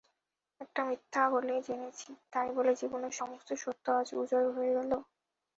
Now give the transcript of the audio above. একটা মিথ্যা বলে জেনেছি, তাই বলে জীবনের সমস্ত সত্য আজ উজাড় হয়ে গেল?